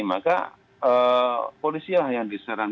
maka polisilah yang diserang